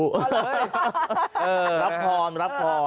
รับหอนรับหอน